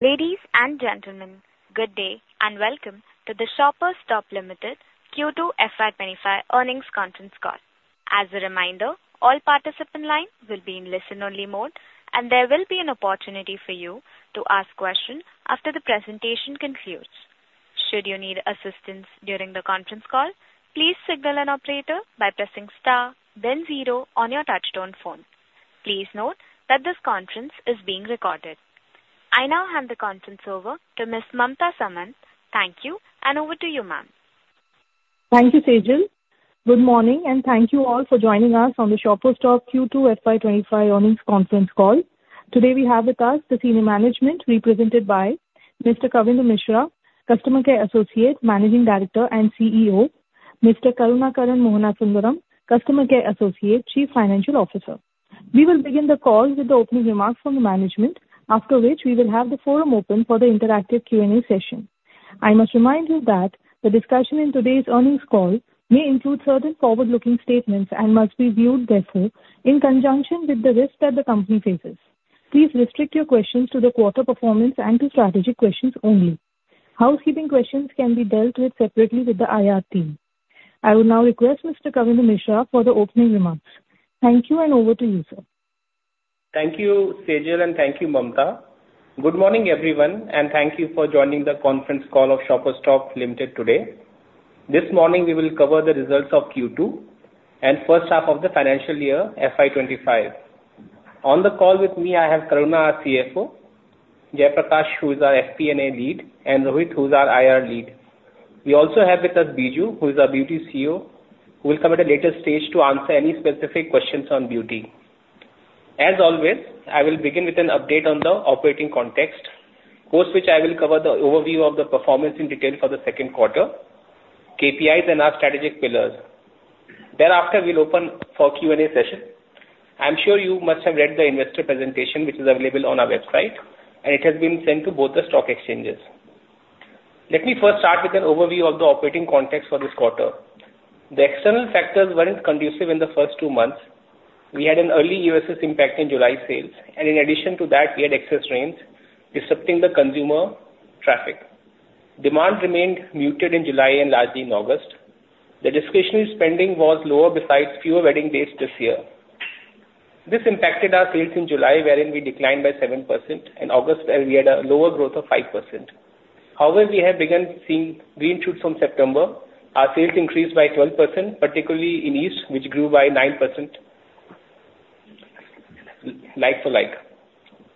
Ladies and gentlemen, good day, and welcome to the Shoppers Stop Limited Q2 FY25 Earnings Conference Call. As a reminder, all participants in line will be in listen-only mode, and there will be an opportunity for you to ask questions after the presentation concludes. Should you need assistance during the conference call, please signal an operator by pressing star then zero on your touchtone phone. Please note that this conference is being recorded. I now hand the conference over to Ms. Mamta Samat. Thank you, and over to you, ma'am. Thank you, Sejal. Good morning, and thank you all for joining us on the Shoppers Stop Q2 FY25 earnings conference call. Today, we have with us the senior management, represented by Mr. Kavindra Mishra, Customer Care Associate, Managing Director, and CEO. Mr. Karunakaran Mohanasundaram, Customer Care Associate, Chief Financial Officer. We will begin the call with the opening remarks from the management, after which we will have the forum open for the interactive Q&A session. I must remind you that the discussion in today's earnings call may include certain forward-looking statements and must be viewed therefore, in conjunction with the risks that the company faces. Please restrict your questions to the quarter performance and to strategic questions only. Housekeeping questions can be dealt with separately with the IR team. I will now request Mr. Kavindra Mishra for the opening remarks. Thank you, and over to you, sir. Thank you, Sejal, and thank you, Mamta. Good morning, everyone, and thank you for joining the conference call of Shoppers Stop Limited today. This morning, we will cover the results of Q2 and first half of the financial year, FY25. On the call with me, I have Karuna, our CFO, Jayaprakash, who is our FP&A Lead, and Rohit, who is our IR Lead. We also have with us Biju, who is our Beauty CEO, who will come at a later stage to answer any specific questions on beauty. As always, I will begin with an update on the operating context, post which I will cover the overview of the performance in detail for the second quarter, KPIs and our strategic pillars. Thereafter, we'll open for Q&A session. I'm sure you must have read the investor presentation, which is available on our website, and it has been sent to both the stock exchanges. Let me first start with an overview of the operating context for this quarter. The external factors weren't conducive in the first two months. We had an early EOSS impact in July sales, and in addition to that, we had excess rains, disrupting the consumer traffic. Demand remained muted in July and largely in August. The discretionary spending was lower, besides fewer wedding dates this year. This impacted our sales in July, wherein we declined by 7%, in August, where we had a lower growth of 5%. However, we have begun seeing green shoots from September. Our sales increased by 12%, particularly in East, which grew by 9% like-for-like.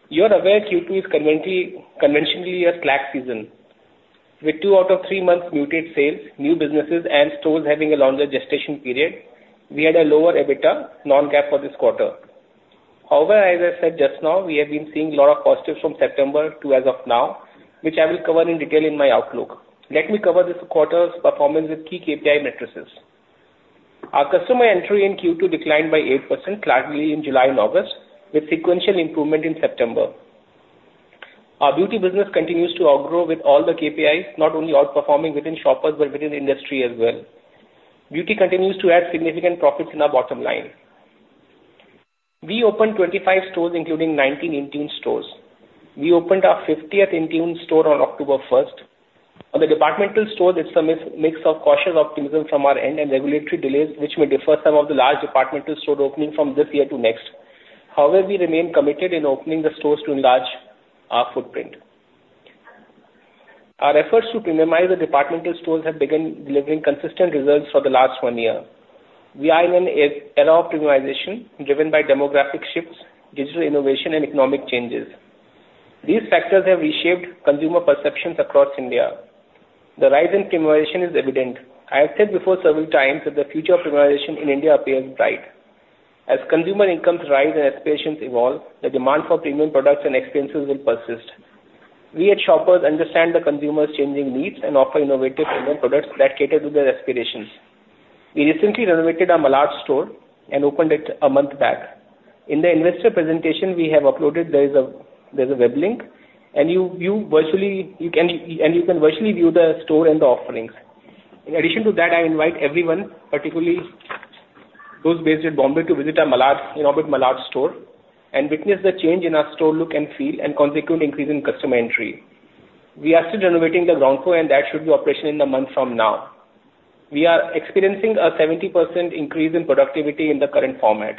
You are aware Q2 is conventionally a slack season. With two out of three months muted sales, new businesses, and stores having a longer gestation period, we had a lower EBITDA non-GAAP for this quarter. However, as I said just now, we have been seeing a lot of positives from September to as of now, which I will cover in detail in my outlook. Let me cover this quarter's performance with key KPI metrics. Our customer entry in Q2 declined by 8%, largely in July and August, with sequential improvement in September. Our beauty business continues to outgrow with all the KPIs, not only outperforming within Shoppers, but within the industry as well. Beauty continues to add significant profits in our bottom line. We opened 25 stores, including 19 Intune stores. We opened our 50th Intune store on October first. On the departmental stores, it's a mix of cautious optimism from our end and regulatory delays, which may defer some of the large departmental store openings from this year to next. However, we remain committed in opening the stores to enlarge our footprint. Our efforts to premiumize the departmental stores have begun delivering consistent results for the last one year. We are in an era of premiumization, driven by demographic shifts, digital innovation, and economic changes. These factors have reshaped consumer perceptions across India. The rise in premiumization is evident. I have said before several times that the future of premiumization in India appears bright. As consumer incomes rise and aspirations evolve, the demand for premium products and experiences will persist. We at Shoppers understand the consumers' changing needs and offer innovative premium products that cater to their aspirations. We recently renovated our Malad store and opened it a month back. In the investor presentation we have uploaded, there's a web link, and you can virtually view the store and the offerings. In addition to that, I invite everyone, particularly those based in Bombay, to visit our renovated Malad store, and witness the change in our store look and feel and consequent increase in customer entry. We are still renovating the Gondko, and that should be operational in a month from now. We are experiencing a 70% increase in productivity in the current format.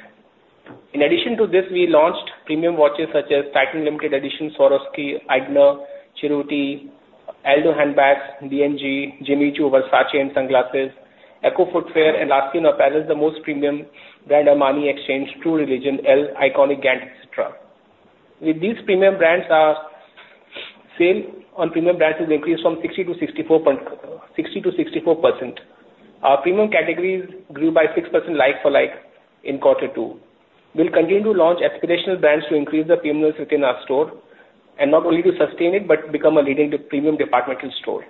In addition to this, we launched premium watches such as Titan Limited Edition, Swarovski, Aigner, Cerruti, Aldo handbags, D&G, Jimmy Choo, Versace and sunglasses, ECCO Footwear, and in apparel is the most premium brand, Armani Exchange, True Religion, Elle, Iconic, Gant, et cetera. With these premium brands, our sale on premium brands has increased from 60% to 64%. Our premium categories grew by 6% like-for-like in quarter two. We'll continue to launch aspirational brands to increase the premiumness within our store, and not only to sustain it, but become a leading premium departmental store.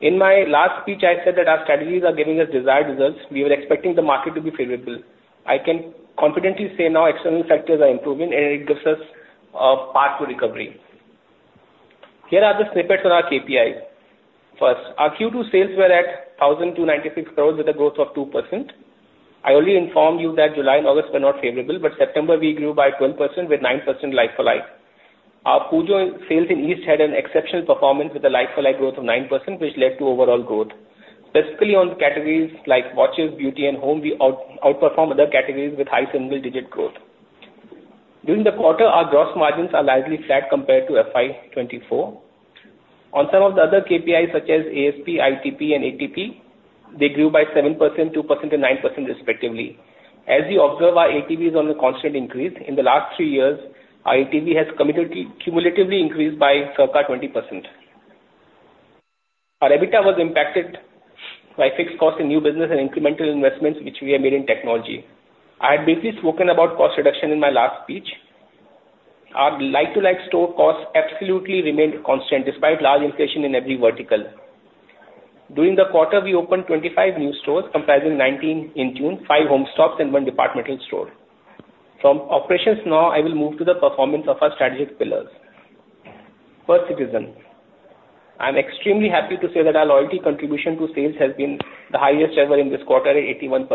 In my last speech, I said that our strategies are giving us desired results. We were expecting the market to be favorable. I can confidently say now external factors are improving, and it gives us a path to recovery. Here are the snippets on our KPIs. First, our Q2 sales were 1,296 crores with a growth of 2%. I already informed you that July and August were not favorable, but September we grew by 12% with 9% like-for-like. Our Pujo sales in East had an exceptional performance with a like-for-like growth of 9%, which led to overall growth. Specifically on categories like watches, beauty, and home, we outperformed other categories with high single digit growth. During the quarter, our gross margins are largely flat compared to FY 2024. On some of the other KPIs, such as ASP, ITP and ATP, they grew by 7%, 2% and 9% respectively. As you observe, our ATVs on a constant increase. In the last three years, our ATV has cumulatively increased by circa 20%. Our EBITDA was impacted by fixed costs in new business and incremental investments, which we have made in technology. I had briefly spoken about cost reduction in my last speech. Our like-for-like store costs absolutely remained constant, despite large inflation in every vertical. During the quarter, we opened 25 new stores, comprising 19 Intune, five HomeStops and one departmental store. From operations now, I will move to the performance of our strategic pillars. First Citizen. I'm extremely happy to say that our loyalty contribution to sales has been the highest ever in this quarter at 81%,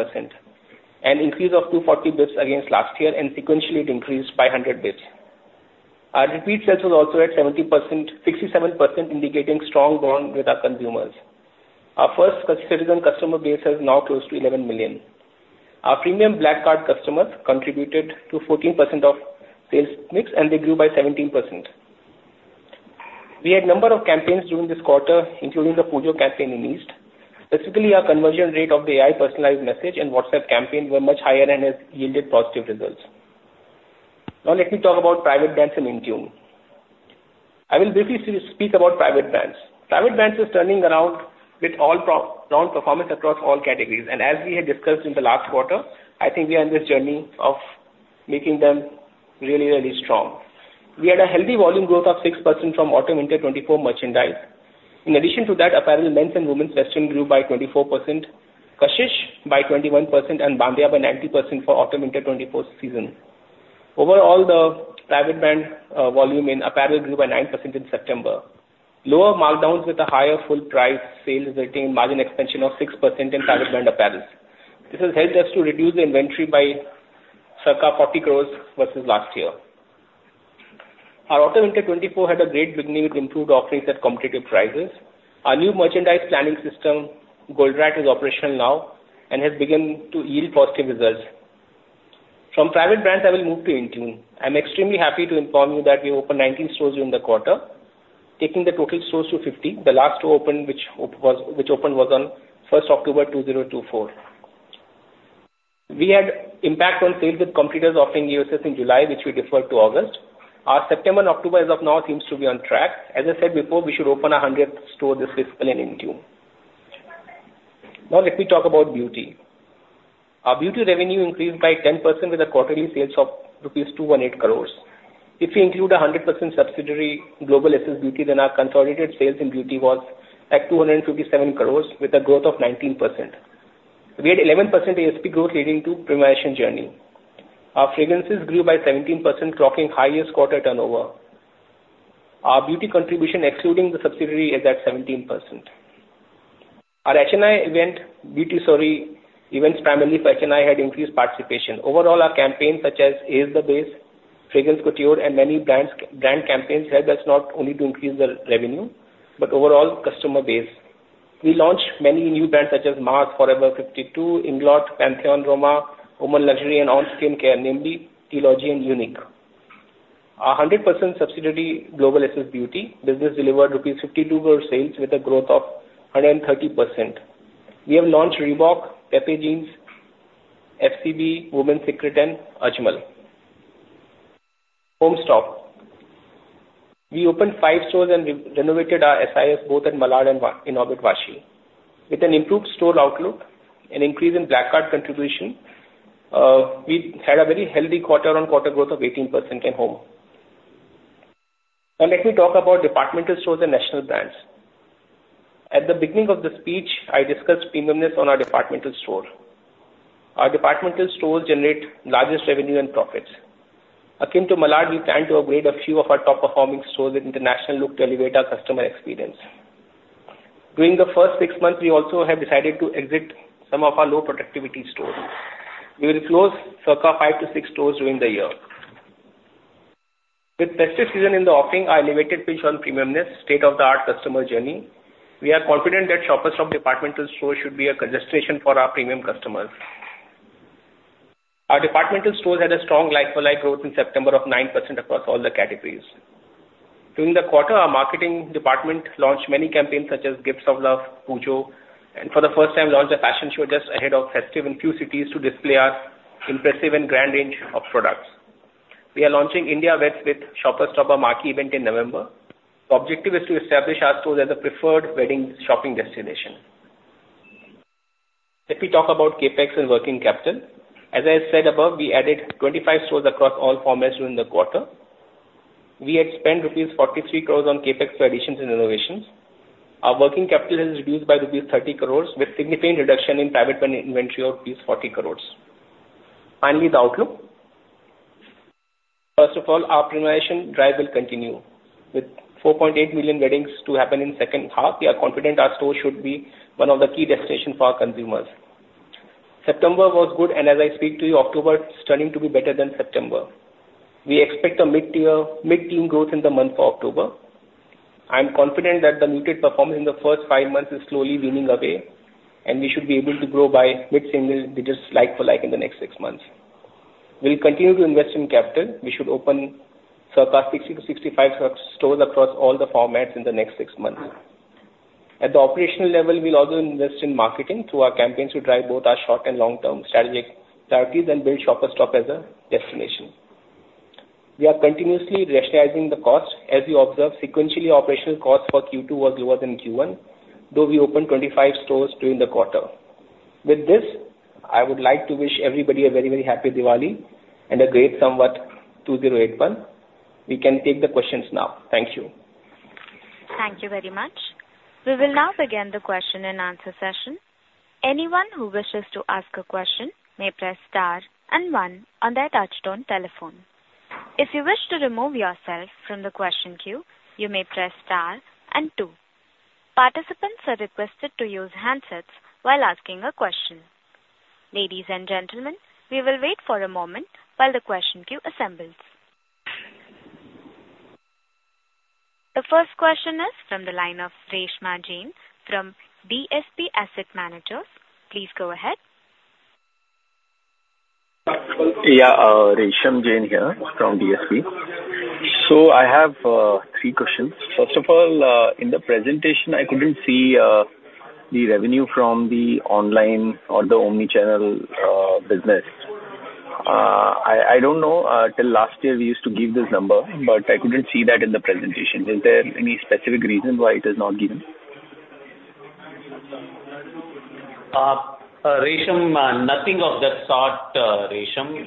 an increase of 240 basis points against last year, and sequentially it increased by 100 basis points. Our repeat sales was also at 70% - 67%, indicating strong bond with our consumers. Our First Citizen customer base is now close to 11 million. Our premium black card customers contributed to 14% of sales mix, and they grew by 17%. We had a number of campaigns during this quarter, including the Pujo campaign in East. Specifically, our conversion rate of the AI personalized message and WhatsApp campaigns were much higher and has yielded positive results. Now let me talk about private brands in Intune. I will briefly speak about private brands. Private brands is turning around with all strong performance across all categories. And as we had discussed in the last quarter, I think we are in this journey of making them really, really strong. We had a healthy volume growth of 6% from Autumn Winter 2024 merchandise. In addition to that, apparel, men's and women's western grew by 24%, Kashish by 21% and Bandeya by 90% for Autumn Winter 2024 season. Overall, the private brand volume in apparel grew by 9% in September. Lower markdowns with a higher full price sales is retained margin expansion of 6% in private brand apparel. This has helped us to reduce the inventory by circa 40 crores versus last year. Our Autumn Winter 2024 had a great beginning with improved offerings at competitive prices. Our new merchandise planning system, Goldratt, is operational now and has begun to yield positive results. From private brands, I will move to Intune. I'm extremely happy to inform you that we opened 19 stores during the quarter, taking the total stores to 50. The last two open, which opened, was on first October 2024. We had impact on sales with competitors offering EOSS in July, which we deferred to August. Our September and October as of now seems to be on track. As I said before, we should open our 100th store this fiscal in Intune. Now let me talk about beauty. Our beauty revenue increased by 10%, with quarterly sales of rupees 218 crores. If we include a 100% subsidiary, Global Essence Beauty, then our consolidated sales in beauty was at 257 crores with a growth of 19%. We had 11% ASP growth leading to premiumization journey. Our fragrances grew by 17%, clocking highest quarter turnover. Our beauty contribution, excluding the subsidiary, is at 17%. Our H&M event, Beauty Story Events, primarily for H&M, had increased participation. Overall, our campaigns, such as Ace the Base, Fragrance Couture, and many brands, brand campaigns, helped us not only to increase the revenue, but overall customer base. We launched many new brands such as Mars Cosmetics, Forever 52, Inglot Cosmetics, Pantheon Roma, Women's Secret and own skincare, namely, Trilogy and Uniq. Our 100% subsidiary, Global Essence Beauty, business delivered rupees 52 crore sales with a growth of 130%. We have launched Reebok, Pepe Jeans, FCB, Women's Secret and Ajmal. HomeStop. We opened five stores and re-renovated our SS, both in Malad and Inorbit Vashi. With an improved store outlook and increase in black card contribution, we had a very healthy quarter-on-quarter growth of 18% in home. Now let me talk about departmental stores and national brands. At the beginning of the speech, I discussed premiumness on our departmental store. Our departmental stores generate largest revenue and profits. Akin to Malad, we plan to upgrade a few of our top-performing stores with international look to elevate our customer experience. During the first six months, we also have decided to exit some of our low productivity stores. We will close circa five to six stores during the year. With festive season in the offering, our elevated pitch on premiumness, state-of-the-art customer journey, we are confident that Shoppers Stop departmental store should be a destination for our premium customers. Our departmental stores had a strong like-for-like growth in September of 9% across all the categories. During the quarter, our marketing department launched many campaigns, such as Gifts of Love, Pujo, and for the first time, launched a fashion show just ahead of festive in few cities to display our impressive and grand range of products. We are launching India Weddings with Shoppers Stop, a marquee event in November. The objective is to establish our stores as a preferred wedding shopping destination. Let me talk about CapEx and working capital. As I said above, we added 25 stores across all formats during the quarter. We had spent rupees 43 crores on CapEx for additions and renovations. Our working capital has reduced by rupees 30 crores, with significant reduction in private brand inventory of rupees 40 crores. Finally, the outlook. First of all, our optimization drive will continue. With 4.8 million weddings to happen in second half, we are confident our store should be one of the key destination for our consumers. September was good, and as I speak to you, October is turning to be better than September. We expect a mid-tier, mid-teen growth in the month of October. I'm confident that the muted performance in the first five months is slowly weaning away, and we should be able to grow by mid-single digits, like for like, in the next six months. We'll continue to invest in capital. We should open circa 60 to 65 stores across all the formats in the next six months. At the operational level, we'll also invest in marketing through our campaigns to drive both our short and long-term strategic strategies and build Shoppers Stop as a destination. We are continuously rationalizing the cost. As you observe, sequentially, operational costs for Q2 was lower than Q1, though we opened 25 stores during the quarter. With this, I would like to wish everybody a very, very happy Diwali and a great Samvat 2081. We can take the questions now. Thank you. Thank you very much. We will now begin the question and answer session. Anyone who wishes to ask a question may press star and one on their touchtone telephone. If you wish to remove yourself from the question queue, you may press star and two. Participants are requested to use handsets while asking a question. Ladies and gentlemen, we will wait for a moment while the question queue assembles. The first question is from the line of Resham Jain from DSP Asset Managers. Please go ahead. Yeah, Resham Jain here from DSP. So I have three questions. First of all, in the presentation, I couldn't see the revenue from the online or the omni-channel business. I don't know till last year we used to give this number, but I couldn't see that in the presentation. Is there any specific reason why it is not given? Resham, nothing of that sort, Resham.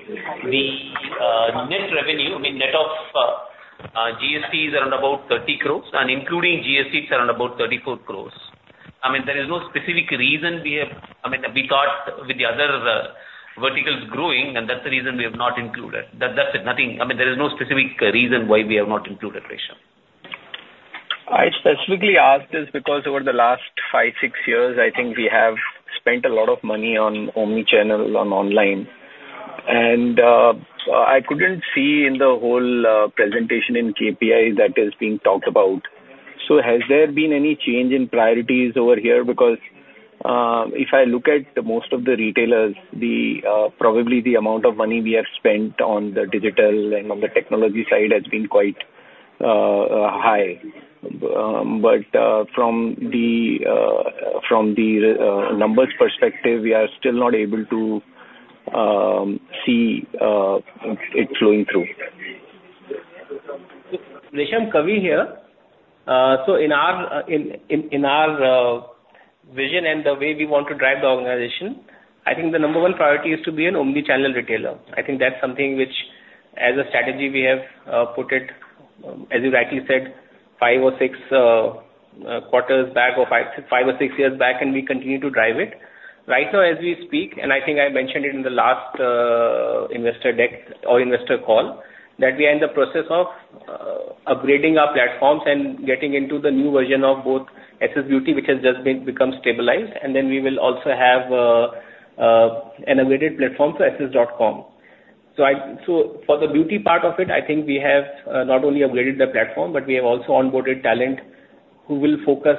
The net revenue, I mean, net of GST is around about 30 crores, and including GST is around about 34 crores. I mean, there is no specific reason we have. I mean, we thought with the other verticals growing, and that's the reason we have not included. That, that's it. Nothing. I mean, there is no specific reason why we have not included, Resham. I specifically asked this because over the last five, six years, I think we have spent a lot of money on omni-channel, on online, and I couldn't see in the whole presentation in KPI that is being talked about, so has there been any change in priorities over here? Because if I look at the most of the retailers, probably the amount of money we have spent on the digital and on the technology side has been quite high, but from the numbers perspective, we are still not able to see it flowing through. Resham, Kavi here. So in our vision and the way we want to drive the organization, I think the number one priority is to be an omni-channel retailer. I think that's something which, as a strategy, we have put it, as you rightly said, five or six quarters back or five or six years back, and we continue to drive it. Right now as we speak, and I think I mentioned it in the last investor deck or investor call, that we are in the process of upgrading our platforms and getting into the new version of both SS Beauty, which has just become stabilized, and then we will also have an upgraded platform, so ss.com. So for the beauty part of it, I think we have not only upgraded the platform, but we have also onboarded talent who will focus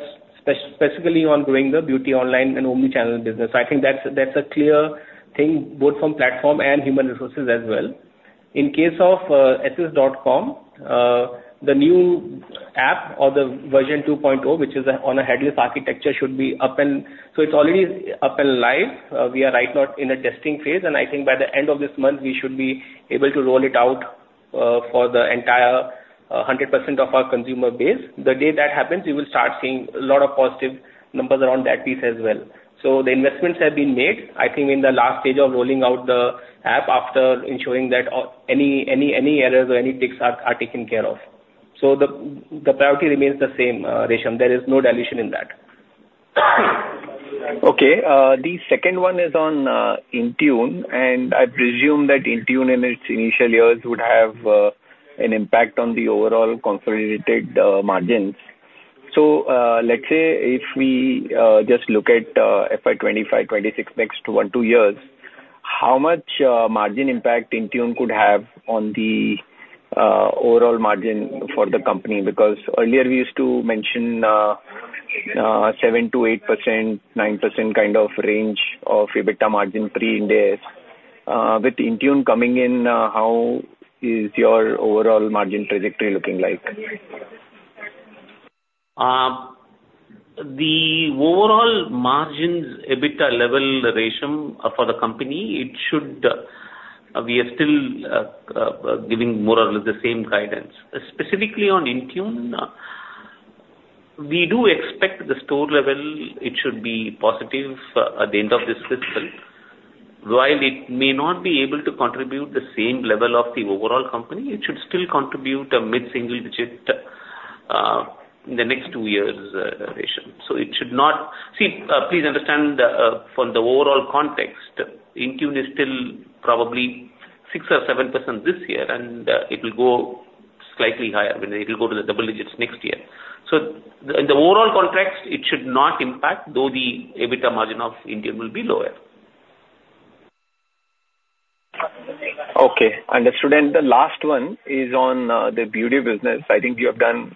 specifically on growing the beauty online and omni-channel business. I think that's a clear thing, both from platform and human resources as well. In case of ss.com, the new app or the version 2.0, which is on a headless architecture, is already up and live. We are right now in a testing phase, and I think by the end of this month, we should be able to roll it out for the entire 100% of our consumer base. The day that happens, we will start seeing a lot of positive numbers around that piece as well. So the investments have been made, I think, in the last stage of rolling out the app after ensuring that all any errors or any ticks are taken care of. So the priority remains the same, Resham. There is no dilution in that. Okay, the second one is on Intune, and I presume that Intune in its initial years would have an impact on the overall consolidated margins. So, let's say if we just look at FY 2025, 2026, next one, two years, how much margin impact Intune could have on the overall margin for the company? Because earlier we used to mention seven to eight percent, nine percent kind of range of EBITDA margin pre-Ind AS. With Intune coming in, how is your overall margin trajectory looking like? The overall margins, EBITDA level, Resham, for the company, it should, we are still, giving more or less the same guidance. Specifically on Intune, we do expect the store level, it should be positive, at the end of this fiscal. While it may not be able to contribute the same level of the overall company, it should still contribute a mid-single digit, in the next two years, contribution. So it should not. See, please understand, from the overall context, Intune is still probably 6 or 7% this year, and, it will go slightly higher, when it will go to the double digits next year. So the, in the overall context, it should not impact, though the EBITDA margin of Intune will be lower. Okay, understood. And the last one is on the beauty business. I think you have done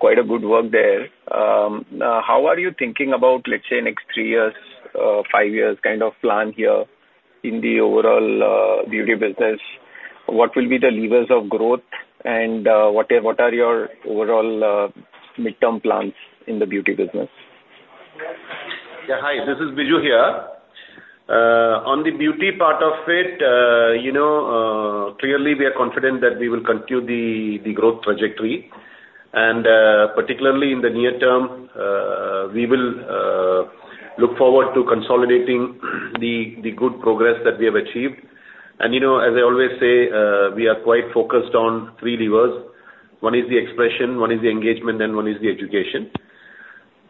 quite a good work there. How are you thinking about, let's say, next three years, five years kind of plan here in the overall beauty business? What will be the levers of growth, and what are your overall midterm plans in the beauty business? Yeah, hi, this is Biju here. On the beauty part of it, you know, clearly, we are confident that we will continue the growth trajectory. Particularly in the near term, we will look forward to consolidating the good progress that we have achieved. You know, as I always say, we are quite focused on three levers. One is the expression, one is the engagement, and one is the education.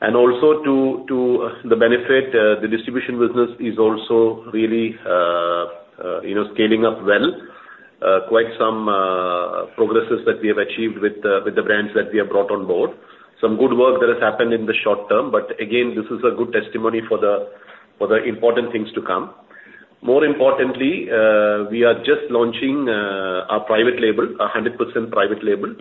Also, to the benefit, the distribution business is also really, you know, scaling up well. Quite some progresses that we have achieved with the brands that we have brought on board. Some good work that has happened in the short term, but again, this is a good testimony for the important things to come. More importantly, we are just launching our private label, 100% private label,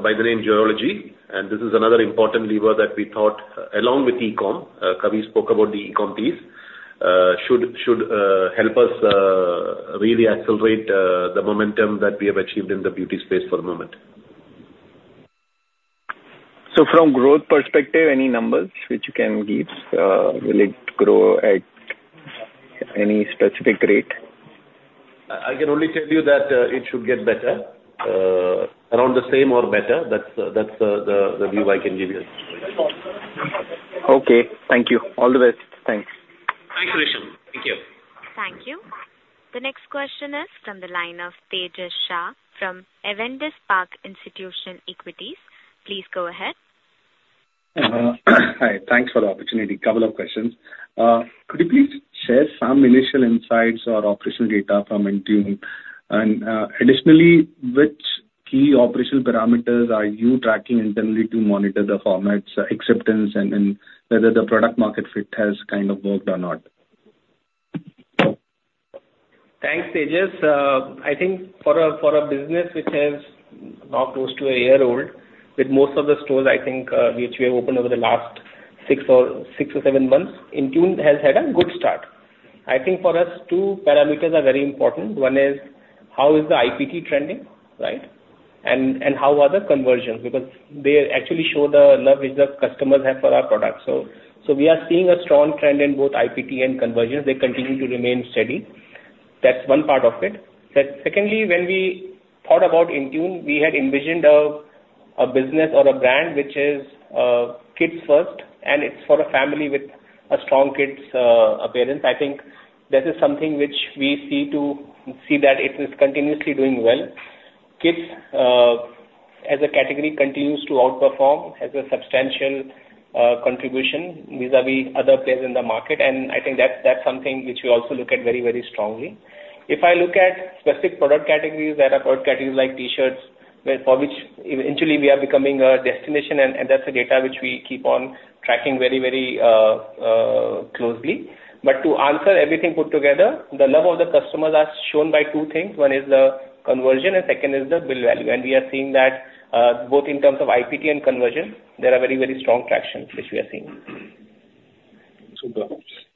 by the name Geology, and this is another important lever that we thought, along with e-com, Kavi spoke about the e-com piece, should help us really accelerate the momentum that we have achieved in the beauty space for a moment. So from growth perspective, any numbers which you can give? Will it grow at any specific rate? I can only tell you that it should get better. Around the same or better, that's the view I can give you. Okay, thank you. All the best. Thanks. Thanks, Rishan. Thank you. Thank you. The next question is from the line of Tejas Shah from Avendus Spark Institutional Equities. Please go ahead. Hi, thanks for the opportunity. Couple of questions. Could you please share some initial insights or operational data from Intune? And, additionally, which key operational parameters are you tracking internally to monitor the format's acceptance and whether the product market fit has kind of worked or not? Thanks, Tejas. I think for a business which is now close to a year old, with most of the stores, I think, which we have opened over the last six or seven months, Intune has had a good start. I think for us, two parameters are very important. One is: How is the IPT trending, right? And how are the conversions? Because they actually show the love which the customers have for our products. So we are seeing a strong trend in both IPT and conversions. They continue to remain steady. That's one part of it. Secondly, when we thought about Intune, we had envisioned a business or a brand which is kids first, and it's for a family with a strong kids' appearance. I think this is something which we see that it is continuously doing well. Kids as a category continues to outperform, has a substantial contribution vis-à-vis other players in the market, and I think that's something which we also look at very, very strongly. If I look at specific product categories, there are product categories like T-shirts, where for which eventually we are becoming a destination, and that's the data which we keep on tracking very, very closely. But to answer everything put together, the love of the customers are shown by two things. One is the conversion and second is the bill value. And we are seeing that both in terms of IPT and conversion, there are very, very strong tractions which we are seeing. Super.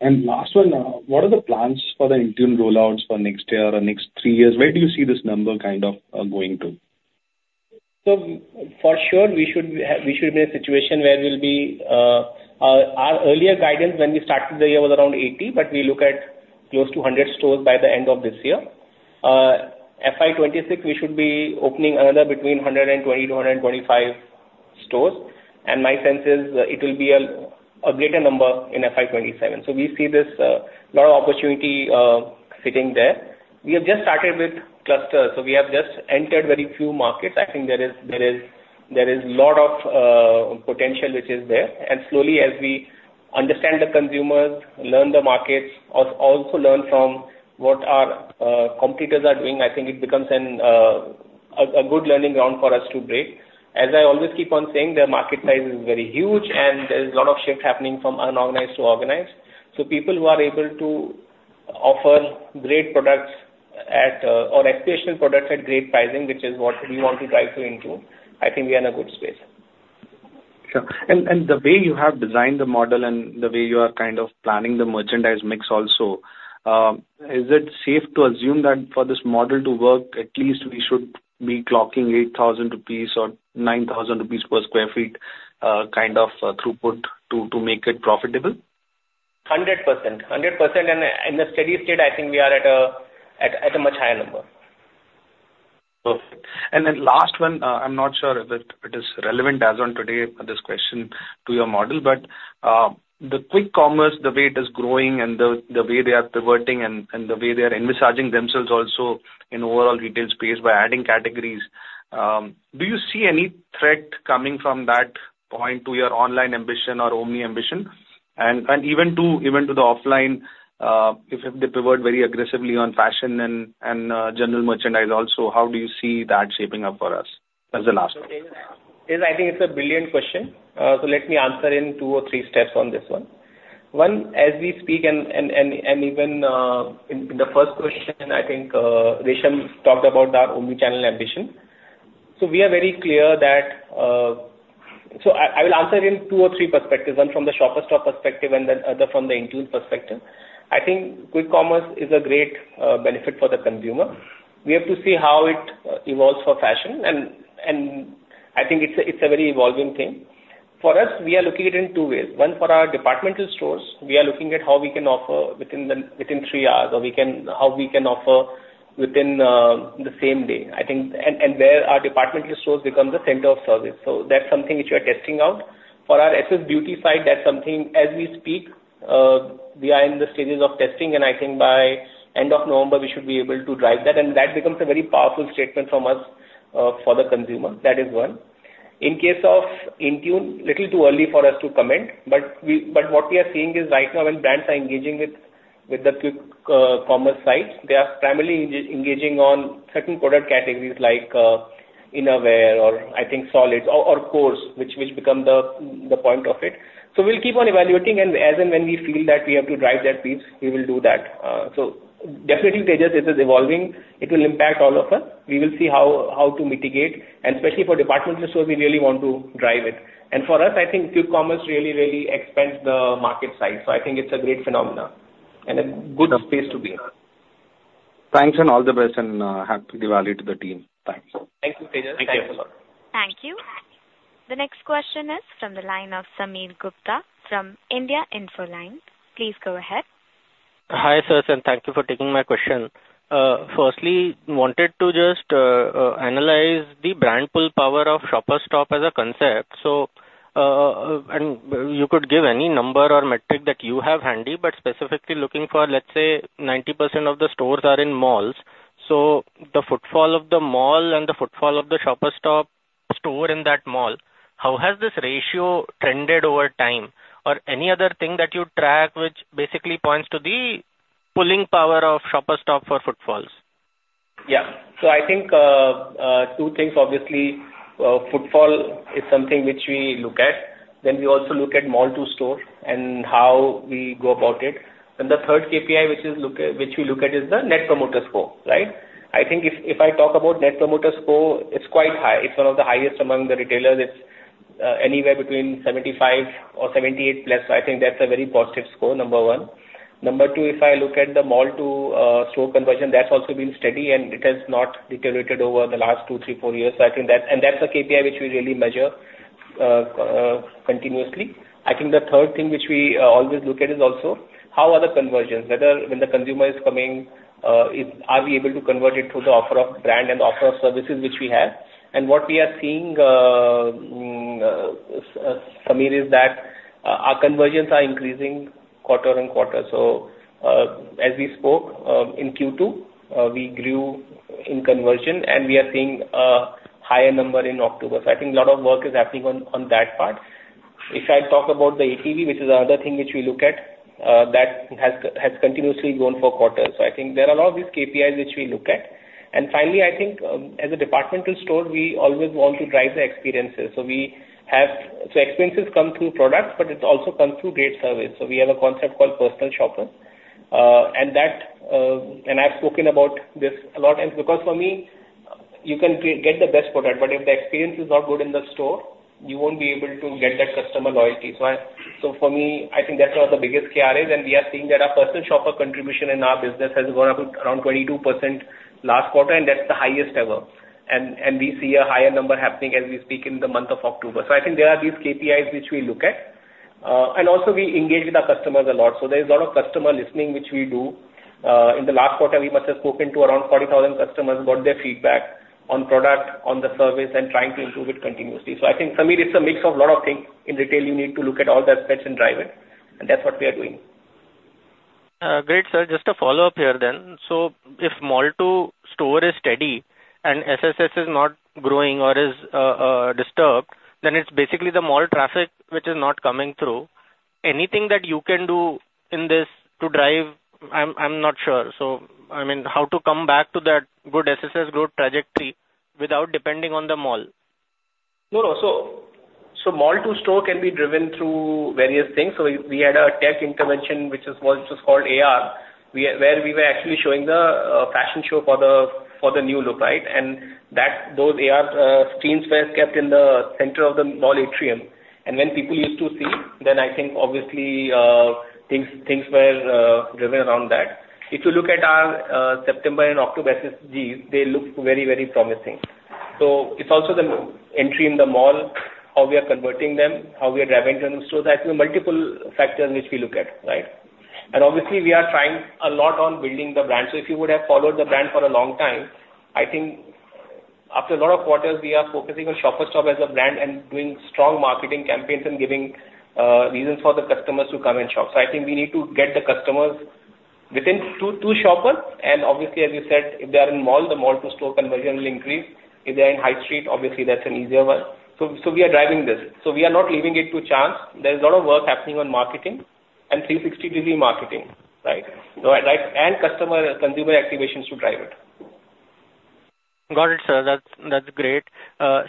And last one, what are the plans for the Intune rollouts for next year or next three years? Where do you see this number kind of going to? So for sure, we should be in a situation where we'll be our earlier guidance when we started the year was around 80, but we look at close to 100 stores by the end of this year. FY 2026, we should be opening another between 120-125 stores, and my sense is it will be a greater number in FY 2027. So we see this lot of opportunity sitting there. We have just started with clusters, so we have just entered very few markets. I think there is lot of potential which is there. And slowly, as we understand the consumers, learn the markets, also learn from what our competitors are doing, I think it becomes a good learning ground for us to break. As I always keep on saying, the market size is very huge, and there is a lot of shift happening from unorganized to organized. So people who are able to offer great products at, or aspirational products at great pricing, which is what we want to try to improve, I think we are in a good space. Sure. And the way you have designed the model and the way you are kind of planning the merchandise mix also, is it safe to assume that for this model to work, at least we should be clocking 8,000 rupees or 9,000 rupees per square foot throughput to make it profitable? 100%, 100%. And in the steady state, I think we are at a much higher number. Perfect. And then last one, I'm not sure if it is relevant as on today, this question to your model, but the quick commerce, the way it is growing and the way they are diverting and the way they are envisaging themselves also in overall retail space by adding categories, do you see any threat coming from that point to your online ambition or omni ambition? And even to the offline, if they pivot very aggressively on fashion and general merchandise also, how do you see that shaping up for us, as the last one? Yes, I think it's a brilliant question. So let me answer in two or three steps on this one. One, as we speak and even in the first question, I think Resham talked about our omni-channel ambition. So we are very clear that. So I will answer in two or three perspectives. One from the Shoppers Stop perspective, and then other from the Intune perspective. I think quick commerce is a great benefit for the consumer. We have to see how it evolves for fashion, and I think it's a very evolving thing. For us, we are looking it in two ways: One, for our departmental stores, we are looking at how we can offer within three hours, or how we can offer within the same day. I think where our departmental stores become the center of service. So that's something which we are testing out. For our SS Beauty side, that's something as we speak, we are in the stages of testing, and I think by end of November, we should be able to drive that. And that becomes a very powerful statement from us, for the consumer. That is one. In case of Intune, little too early for us to comment, but but what we are seeing is, right now, when brands are engaging with the quick commerce sites, they are primarily engaging on certain product categories like, innerwear or I think solids or clothes, which become the point of it. So we'll keep on evaluating and as and when we feel that we have to drive that piece, we will do that. So definitely, Tejas, this is evolving. It will impact all of us. We will see how to mitigate, and especially for departmental stores, we really want to drive it. And for us, I think quick commerce really, really expands the market size. So I think it's a great phenomenon and a good space to be in. Thanks and all the best, and Happy Diwali to the team. Thanks. Thank you, Tejas. Thank you. Thank you. The next question is from the line of Sameer Gupta from India Infoline. Please go ahead. Hi, sirs, and thank you for taking my question. Firstly, wanted to just analyze the brand pull power of Shoppers Stop as a concept. So, and you could give any number or metric that you have handy, but specifically looking for, let's say, 90% of the stores are in malls, so the footfall of the mall and the footfall of the Shoppers Stop store in that mall, how has this ratio trended over time? Or any other thing that you track, which basically points to the pulling power of Shoppers Stop for footfalls. Yeah. So I think two things, obviously, footfall is something which we look at. Then we also look at mall to store and how we go about it. Then the third KPI, which we look at, is the Net Promoter Score, right? I think if I talk about Net Promoter Score, it's quite high. It's one of the highest among the retailers. It's anywhere between 75% or 78% plus. I think that's a very positive score, number one. Number two, if I look at the mall to store conversion, that's also been steady and it has not deteriorated over the last two, three, four years. So I think that. And that's a KPI which we really measure continuously. I think the third thing which we always look at is also how are the conversions? Whether, when the consumer is coming, are we able to convert it through the offer of brand and the offer of services which we have? And what we are seeing, Sameer, is that, our conversions are increasing quarter and quarter. So, as we spoke, in Q2, we grew in conversion, and we are seeing a higher number in October. So I think a lot of work is happening on that part. If I talk about the ATV, which is another thing which we look at, that has continuously grown for quarters. So I think there are a lot of these KPIs which we look at. And finally, I think, as a departmental store, we always want to drive the experiences. Experiences come through products, but it also comes through great service. So we have a concept called personal shopper. And that, and I've spoken about this a lot, and because for me, you can get the best product, but if the experience is not good in the store, you won't be able to get that customer loyalty. So I, so for me, I think that's where the biggest KRI is, and we are seeing that our personal shopper contribution in our business has gone up around 22% last quarter, and that's the highest ever. And, and we see a higher number happening as we speak in the month of October. So I think there are these KPIs which we look at. And also we engage with our customers a lot. So there is a lot of customer listening, which we do. In the last quarter, we must have spoken to around 40,000 customers, about their feedback on product, on the service, and trying to improve it continuously, so I think, Sameer, it's a mix of a lot of things. In retail, you need to look at all the aspects and drive it, and that's what we are doing. Great, sir. Just a follow-up here then. So if mall to store is steady and SSS is not growing or is disturbed, then it's basically the mall traffic which is not coming through. Anything that you can do in this to drive, I'm not sure. So I mean, how to come back to that good SSS growth trajectory without depending on the mall? No, no. So mall to store can be driven through various things. So we had a tech intervention, which was just called AR, where we were actually showing the fashion show for the new look, right? And those AR screens were kept in the center of the mall atrium. And when people used to see, then I think obviously things were driven around that. If you look at our September and October SSG, they look very, very promising. So it's also the entry in the mall, how we are converting them, how we are driving them. So there are multiple factors which we look at, right? And obviously, we are trying a lot on building the brand. So if you would have followed the brand for a long time, I think after a lot of quarters, we are focusing on Shoppers Stop as a brand and doing strong marketing campaigns and giving reasons for the customers to come and shop. So I think we need to get the customers within two, two shopper, and obviously, as you said, if they are in mall, the mall to store conversion will increase. If they are in high street, obviously, that's an easier one. So we are driving this. So we are not leaving it to chance. There is a lot of work happening on marketing and 360-degree marketing, right? So right, and customer, consumer activations to drive it. Got it, sir. That's, that's great.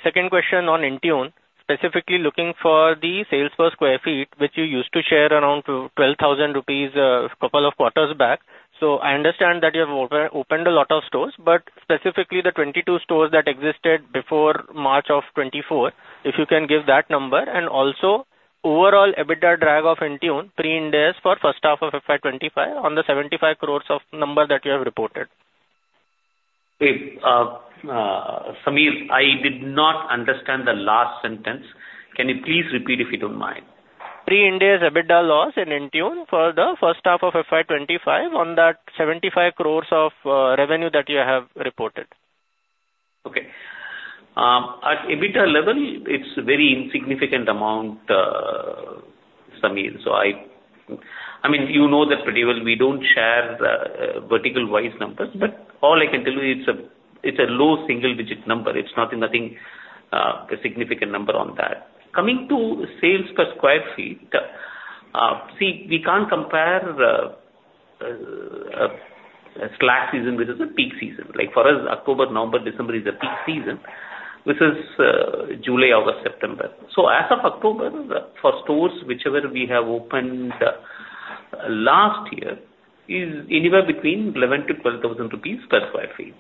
Second question on Intune, specifically looking for the sales per square foot, which you used to share around 12,000 rupees, couple of quarters back. So I understand that you have opened a lot of stores, but specifically the 22 stores that existed before March 2024, if you can give that number, and also overall EBITDA drag of Intune, pre-Ind AS for first half of FY 2025 on the 75 crores of number that you have reported. Wait, Sameer, I did not understand the last sentence. Can you please repeat if you don't mind? Pre-Ind AS EBITDA loss in Intune for the first half of FY 2025 on that 75 crores of revenue that you have reported. Okay. At EBITDA level, it's a very insignificant amount, Sameer. So I mean, you know that pretty well. We don't share, vertical wise numbers, but all I can tell you, it's a low single digit number. It's nothing, nothing, a significant number on that. Coming to sales per square foot, see, we can't compare, a slack season with a peak season. Like for us, October, November, December is a peak season. This is, July, August, September. So as of October, for stores, whichever we have opened last year, is anywhere between 11,000-12,000 rupees per square foot.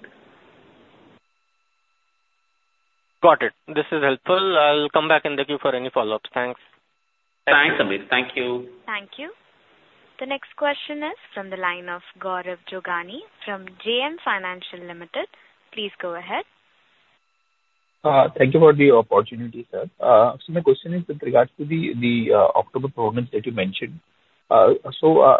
Got it. This is helpful. I'll come back and get you for any follow-ups. Thanks. Thanks, Sameer. Thank you. Thank you. The next question is from the line of Gaurav Jogani from JM Financial Limited. Please go ahead. Thank you for the opportunity, sir. So my question is with regards to the October performance that you mentioned. So,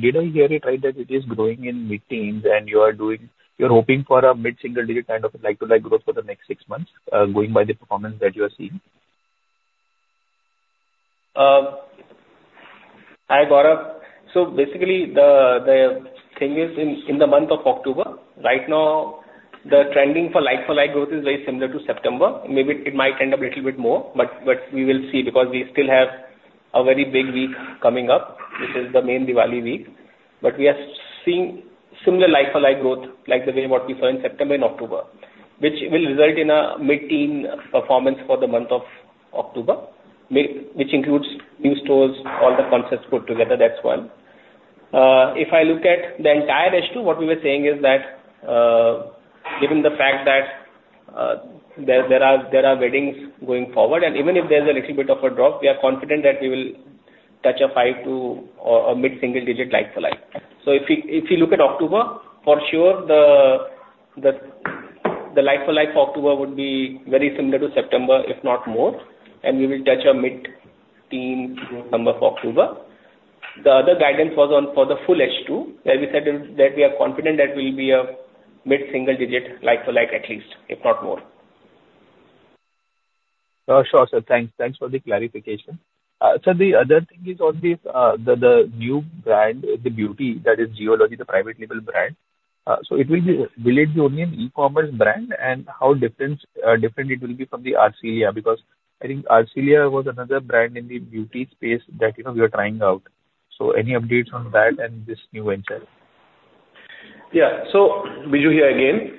did I hear it right, that it is growing in mid-teens, and you are doing, you're hoping for a mid-single digit kind of like-for-like growth for the next six months, going by the performance that you are seeing? Hi, Gaurav. So basically, the thing is in the month of October, right now, the trending for like-for-like growth is very similar to September. Maybe it might end up a little bit more, but we will see, because we still have a very big week coming up, which is the main Diwali week. But we are seeing similar like-for-like growth, like the way what we saw in September and October, which will result in a mid-teen performance for the month of October, maybe, which includes new stores, all the concepts put together. That's one. If I look at the entire H2, what we were saying is that, given the fact that there are weddings going forward, and even if there's a little bit of a drop, we are confident that we will touch a five to, or a mid-single digit like-for-like. So if you look at October, for sure, the like-for-like October would be very similar to September, if not more, and we will touch a mid-teen number for October. The other guidance was on for the full H2, where we said that we are confident that we'll be a mid-single digit like-for-like, at least, if not more. Sure, sir. Thanks. Thanks for the clarification. Sir, the other thing is on the new brand, the beauty, that is Geology, the private label brand. So it will be, will it be only an e-commerce brand? And how different it will be from the Arcelia? Because I think Arcelia was another brand in the beauty space that, you know, we are trying out. So any updates on that and this new venture? Yeah. So Biju here again.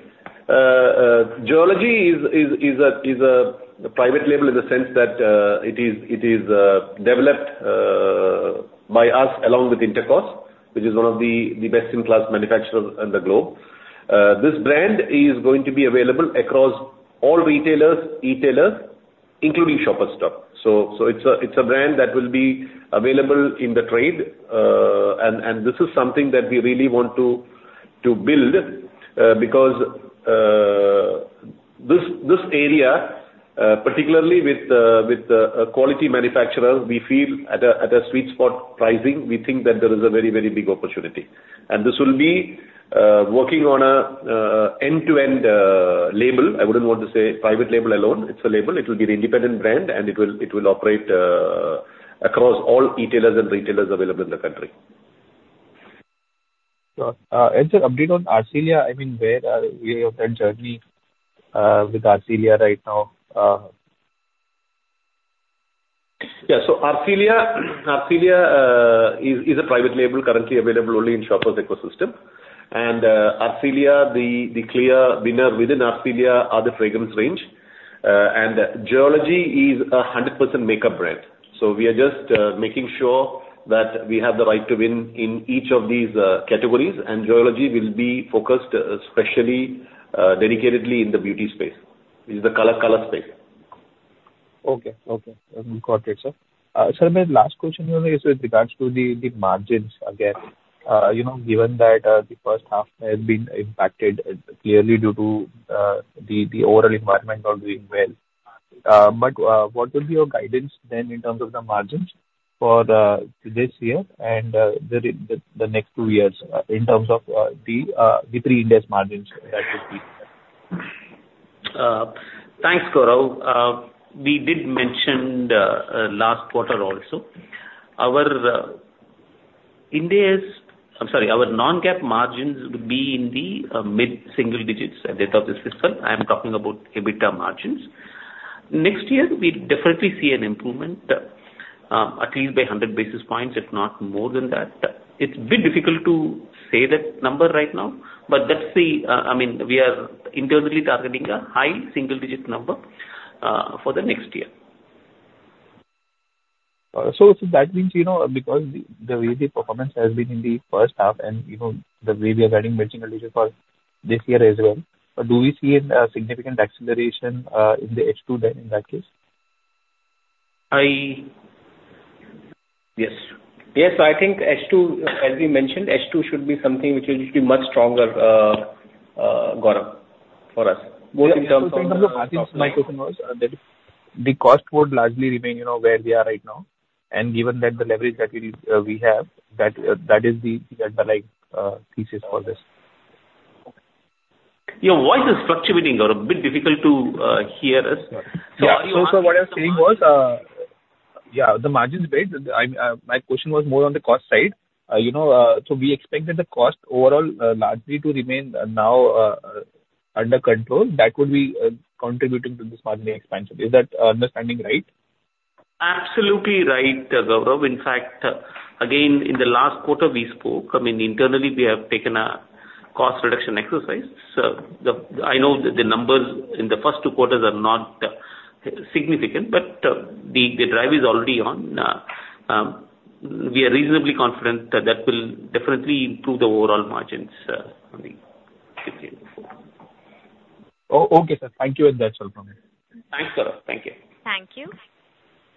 Geology is a private label in the sense that it is developed by us along with Intercos, which is one of the best-in-class manufacturers in the globe. This brand is going to be available across all retailers, e-tailers, including Shoppers Stop. So it's a brand that will be available in the trade, and this is something that we really want to build, because this area, particularly with a quality manufacturer, we feel at a sweet spot pricing, we think that there is a very big opportunity. And this will be working on a end-to-end label. I wouldn't want to say private label alone. It's a label. It will be an independent brand, and it will operate across all e-tailers and retailers available in the country. And sir, update on Arcelia. I mean, where are we on that journey with Arcelia right now? Yeah. Arcelia is a private label currently available only in Shoppers ecosystem. Arcelia, the clear winner within Arcelia are the fragrance range, and Geology is a 100% makeup brand. We are just making sure that we have the right to win in each of these categories, and Geology will be focused especially dedicatedly in the beauty space. It's the color space. Okay. Okay. Got it, sir. Sir, my last question is with regards to the margins again. You know, given that the first half has been impacted clearly due to the overall environment not doing well, but what will be your guidance then in terms of the margins for this year and the next two years, in terms of the three Ind AS margins, right? ...Thanks, Korov. We did mention the last quarter also. Our non-GAAP margins would be in the mid-single digits at the end of this fiscal. I am talking about EBITDA margins. Next year, we definitely see an improvement at least by a hundred basis points, if not more than that. It's a bit difficult to say that number right now, but let's see. I mean, we are internally targeting a high single-digit number for the next year. So that means, you know, because the way the performance has been in the first half, and, you know, the way we are guiding margins for this year as well, do we see a significant acceleration in the H2 then, in that case? Yes. Yes, I think H2, as we mentioned, H2 should be something which will be much stronger, Gaurav, for us, both in terms of- My question was, the cost would largely remain, you know, where we are right now, and given that the leverage that we have, that is the underlying thesis for this. Your voice is fluctuating, or a bit difficult to hear us. Yeah. So, so what I was saying was, yeah, the margins wide. I'm, my question was more on the cost side. You know, so we expect that the cost overall, largely to remain now, under control, that would be, contributing to this margin expansion. Is that understanding right? Absolutely right, Gaurav. In fact, again, in the last quarter we spoke, I mean, internally, we have taken a cost reduction exercise. So, I know that the numbers in the first two quarters are not significant, but the drive is already on. We are reasonably confident that will definitely improve the overall margins. Okay, sir. Thank you. That's all from me. Thanks, Gaurav. Thank you. Thank you.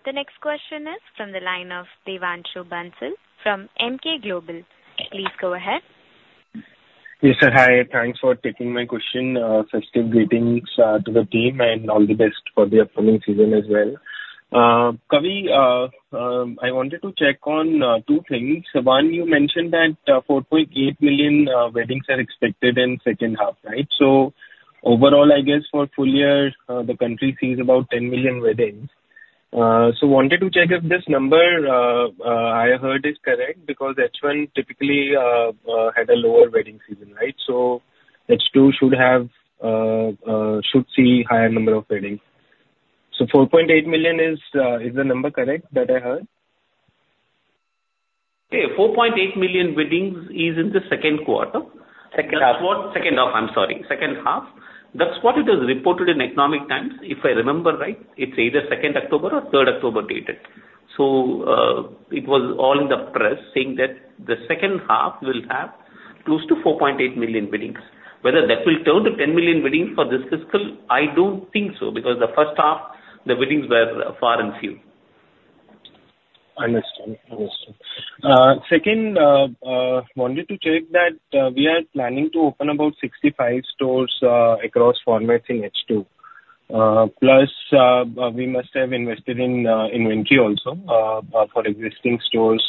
The next question is from the line of Devanshu Bansal from Emkay Global. Please go ahead. Yes, sir. Hi, thanks for taking my question. Festive greetings to the team, and all the best for the upcoming season as well. Kavi, I wanted to check on two things. One, you mentioned that 4.8 million weddings are expected in second half, right? So overall, I guess for full year, the country sees about ten million weddings. So wanted to check if this number I heard is correct, because H1 typically had a lower wedding season, right? So H2 should see higher number of weddings. So 4.8 million, is the number correct, that I heard? Hey, 4.8 million weddings is in the second quarter. Second half. Second half. I'm sorry, second half. That's what it is reported in Economic Times, if I remember right, it's either second October or third October dated. So, it was all in the press, saying that the second half will have close to 4.8 million weddings. Whether that will turn to 10 million weddings for this fiscal, I don't think so, because the first half, the weddings were far and few. Understood. Understood. Second, wanted to check that we are planning to open about sixty-five stores across formats in H2. Plus, we must have invested in inventory also for existing stores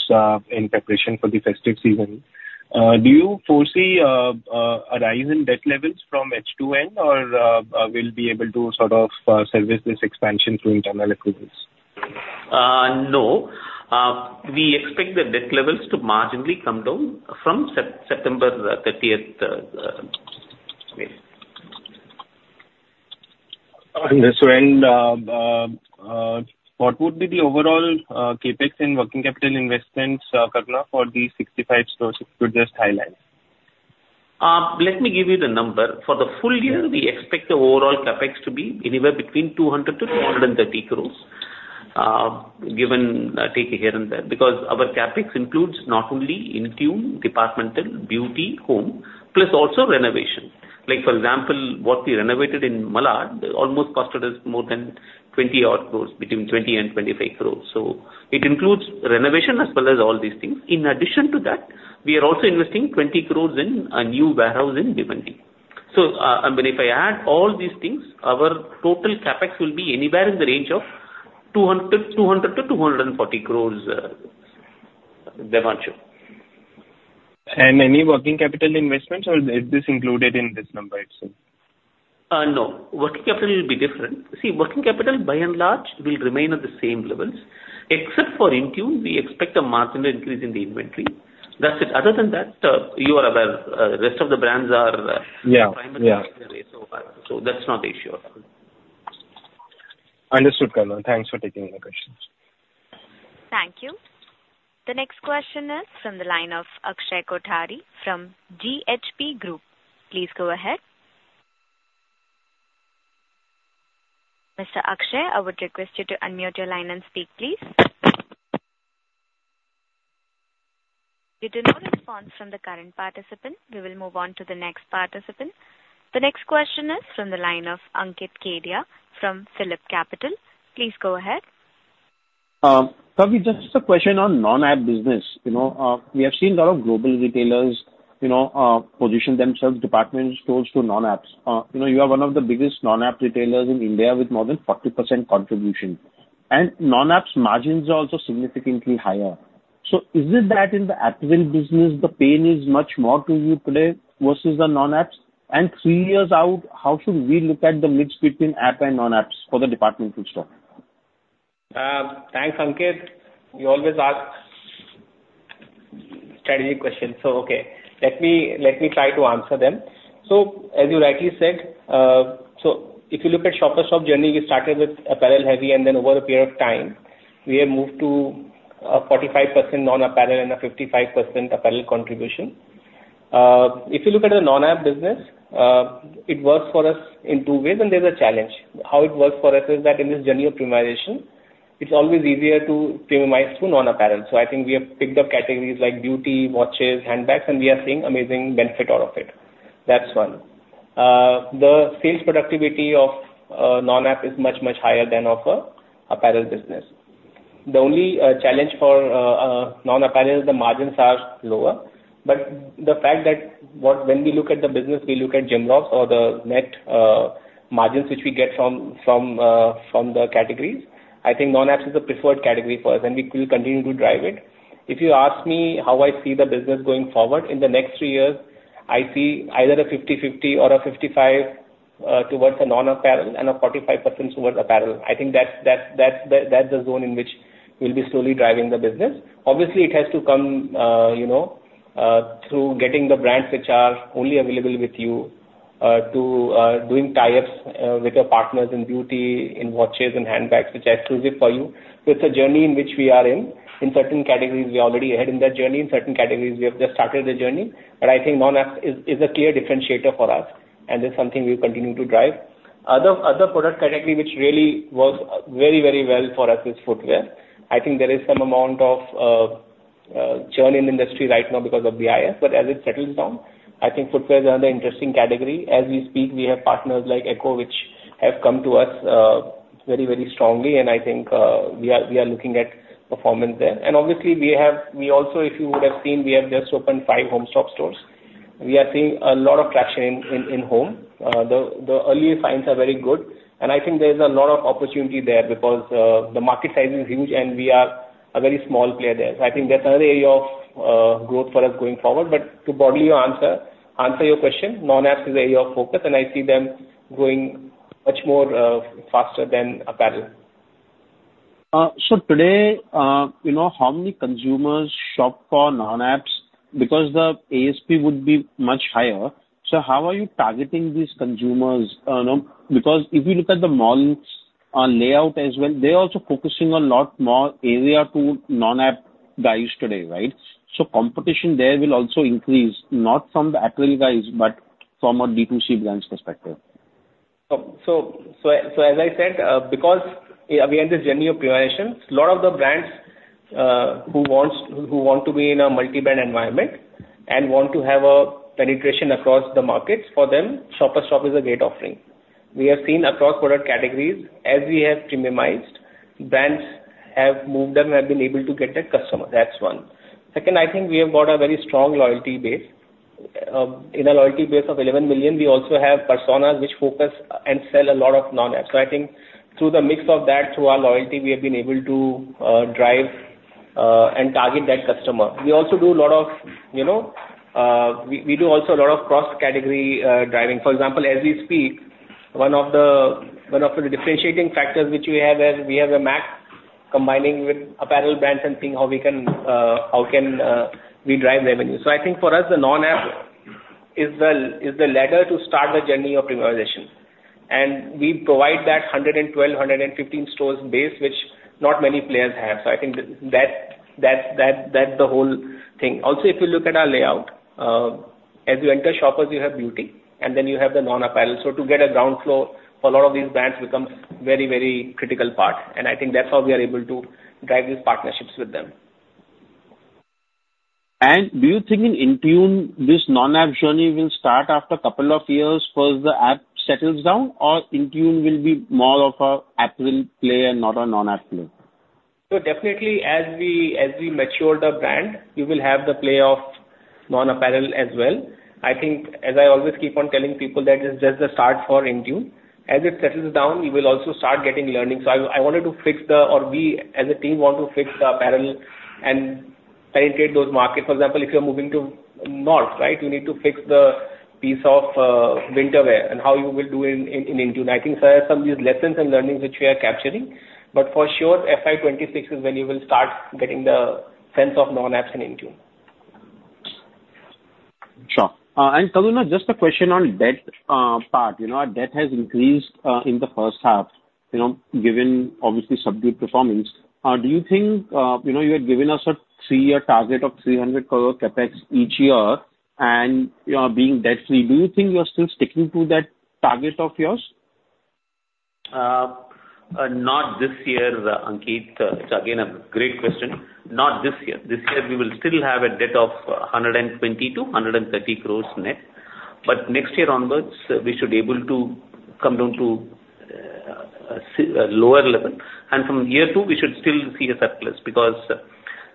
in preparation for the festive season. Do you foresee a rise in debt levels from H2N or we'll be able to sort of service this expansion through internal approvals? No. We expect the debt levels to marginally come down from September 30th. Understood. What would be the overall CapEx and working capital investments, Kavi, for these 65 stores, if you could just highlight? Let me give you the number. For the full year- Yeah. We expect the overall CapEx to be anywhere between 200-230 crores. Given, take here and there, because our CapEx includes not only Intune, departmental, beauty, home, plus also renovation. Like, for example, what we renovated in Malad almost costed us more than 20-odd crores, between 20 and 25 crores. So it includes renovation as well as all these things. In addition to that, we are also investing 20 crores in a new warehouse in Bhiwandi. So, I mean, if I add all these things, our total CapEx will be anywhere in the range of 200-240 crores, Devanshu. Any working capital investments, or is this included in this number itself? No. Working capital will be different. See, working capital, by and large, will remain at the same levels. Except for Intune, we expect a marginal increase in the inventory. That's it. Other than that, you are aware, rest of the brands are, Yeah, yeah. That's not the issue at all. Understood, Kavi. Thanks for taking my questions. Thank you. The next question is from the line of Akshay Kothari from GHP Group. Please go ahead. Mr. Akshay, I would request you to unmute your line and speak, please. We do not respond from the current participant. We will move on to the next participant. The next question is from the line of Ankit Kedia from PhillipCapital. Please go ahead. Kavi, just a question on non-app business. You know, we have seen a lot of global retailers, you know, position themselves, department stores to non-apps. You know, you are one of the biggest non-app retailers in India with more than 40% contribution. ...And non-apparel's margins are also significantly higher. So is it that in the apparel business, the pain is much more to you today versus the non-apparels? And three years out, how should we look at the mix between apparel and non-apparels for the departmental store? Thanks, Ankit. You always ask strategic questions. So, okay, let me try to answer them. So as you rightly said, so if you look at Shoppers Stop journey, we started with apparel heavy, and then over a period of time, we have moved to 45% non-apparel and a 55% apparel contribution. If you look at the non-app business, it works for us in two ways, and there's a challenge. How it works for us is that in this journey of premiumization, it's always easier to premiumize to non-apparel. So I think we have picked up categories like beauty, watches, handbags, and we are seeing amazing benefit out of it. That's one. The sales productivity of non-app is much, much higher than of apparel business. The only challenge for non-apparel is the margins are lower. But the fact that when we look at the business, we look at GMROPS or the net margins, which we get from the categories. I think non-apparel is the preferred category for us, and we'll continue to drive it. If you ask me how I see the business going forward, in the next three years, I see either a 50-50 or a 55% towards the non-apparel and a 45% towards apparel. I think that's the zone in which we'll be slowly driving the business. Obviously, it has to come through getting the brands which are only available with you, to doing tie-ups with your partners in beauty, in watches and handbags, which are exclusive for you. So it's a journey in which we are in. In certain categories, we are already ahead in that journey, in certain categories, we have just started the journey. But I think non-app is a clear differentiator for us, and it's something we'll continue to drive. Other product category which really works very, very well for us is footwear. I think there is some amount of churn in the industry right now because of BIS. But as it settles down, I think footwear is another interesting category. As we speak, we have partners like ECCO, which have come to us very, very strongly, and I think we are looking at performance there. And obviously, we also, if you would have seen, we have just opened five home shop stores. We are seeing a lot of traction in home. The early signs are very good, and I think there's a lot of opportunity there because the market size is huge, and we are a very small player there. So I think that's another area of growth for us going forward. But to broadly answer your question, non-apparel is an area of focus, and I see them growing much more faster than apparel. So today, you know, how many consumers shop for non-apparel? Because the ASP would be much higher, so how are you targeting these consumers? No, because if you look at the malls' layout as well, they're also focusing on a lot more area to non-apparel guys today, right? So competition there will also increase, not from the apparel guys, but from a D2C brands perspective. So as I said, because we are in this journey of premiumization, lot of the brands who want to be in a multi-brand environment and want to have a penetration across the markets, for them, Shoppers Stop is a great offering. We have seen across product categories, as we have premiumized, brands have moved them and have been able to get that customer, that's one. Second, I think we have got a very strong loyalty base. In a loyalty base of 11 million, we also have personas which focus and sell a lot of non-app. So I think through the mix of that, through our loyalty, we have been able to drive and target that customer. We also do a lot of, you know, we do also a lot of cross-category driving. For example, as we speak, one of the differentiating factors which we have is, we have a mix combining with apparel brands and seeing how we can drive revenue. So I think for us, the non-app is the ladder to start the journey of premiumization. And we provide that 112-115 stores base, which not many players have. So I think that's the whole thing. Also, if you look at our layout, as you enter Shoppers, you have beauty, and then you have the non-apparel. So to get a ground floor for a lot of these brands becomes very critical part, and I think that's how we are able to drive these partnerships with them. Do you think in Intune, this non-apparel journey will start after a couple of years, once the app settles down, or Intune will be more of an apparel player, not a non-apparel player? So definitely as we mature the brand, we will have the play of non-apparel as well. I think, as I always keep on telling people, that is just the start for Intune. As it settles down, we will also start getting learning. So I wanted to fix the... or we as a team want to fix the apparel and penetrate those markets. For example, if you're moving to north, right, you need to fix the piece of winter wear and how you will do in Intune. I think there are some lessons and learnings which we are capturing, but for sure, FY26 is when you will start getting the sense of non-apps in Intune. Sure. And Karuna, just a question on debt, part. You know, our debt has increased, in the first half, you know, given obviously subdued performance. Do you think, you know, you had given us a 3-year target of 300 crore CapEx each year, and you are being debt-free. Do you think you're still sticking to that target of yours? Not this year, Ankit. It's again, a great question. Not this year. This year, we will still have a debt of 120-130 crores net, but next year onwards, we should able to come down to lower level. And from year two, we should still see a surplus, because....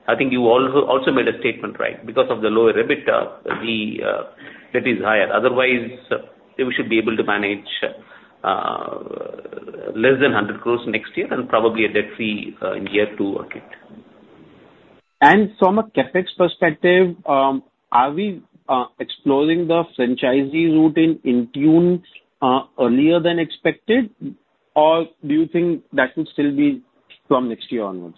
I think you also made a statement, right? Because of the lower EBITDA, the debt is higher. Otherwise, we should be able to manage less than 100 crores next year and probably a debt-free in year two, Ankit. From a CapEx perspective, are we exploring the franchisee route in Intune earlier than expected? Or do you think that will still be from next year onwards?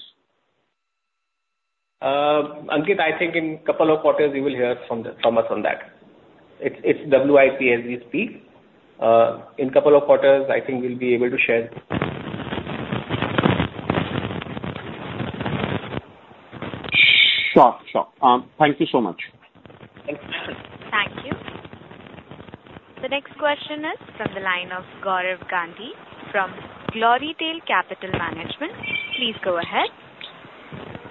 Ankit, I think in couple of quarters you will hear from the, from us on that. It's, it's WIP as we speak. In couple of quarters, I think we'll be able to share. Sure, sure. Thank you so much. Thank you. Thank you. The next question is from the line of Gaurav Gandhi from Glorytail Capital Management. Please go ahead.